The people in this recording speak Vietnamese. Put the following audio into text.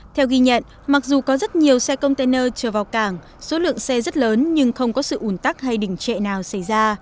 theo ghi nhận mặc dù có rất nhiều xe container chở vào cảng số lượng xe rất lớn nhưng không có sự ủn tắc hay đỉnh trệ nào xảy ra